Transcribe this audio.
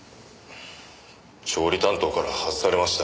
調理担当から外されました。